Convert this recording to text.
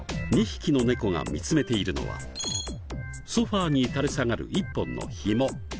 ２匹の猫が見つめているのはソファに垂れ下がる一本のひも。